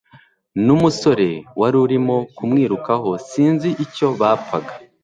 numusore warurimo kumwirukaho, sinzi icyo bapfaga